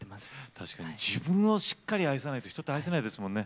確かに自分をしっかり愛さないと人って愛せないですもんね。